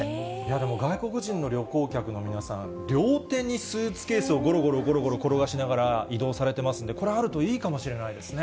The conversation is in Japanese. でも、外国人の旅行客の皆さん、両手にスーツケースをごろごろごろごろ転がしながら移動されてますんで、これはあるといいかもしれないですね。